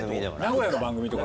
名古屋の番組とか。